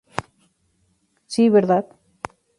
Si Vd.